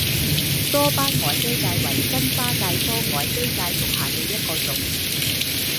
多斑凯基介为真花介科凯基介属下的一个种。